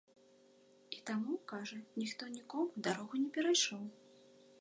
І таму, кажа, ніхто нікому дарогу не перайшоў.